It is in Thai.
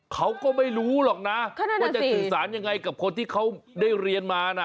เขาก็ไม่รู้หรอกนะว่าจะสื่อสารยังไงกับคนที่เขาได้เรียนมานะ